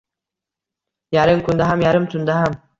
Yarim kunda ham, yarim tunda ham.